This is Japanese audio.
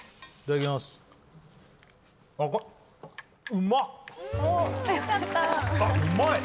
うまい！